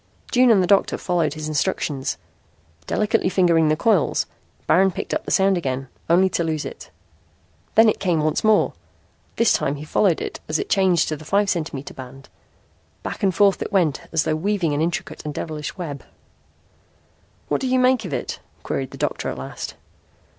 June and the doctor followed his instructions. Delicately fingering the coils, Baron picked up the sound again, only to lose it. Then it came once more. This time he followed it as it changed to the five centimeter band. Back and forth it went as though weaving an intricate and devilish web. "What do you make of it?" queried the doctor at last.